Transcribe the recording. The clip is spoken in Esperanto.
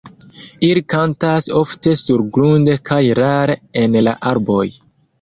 Ili kantas ofte surgrunde kaj rare en la arboj.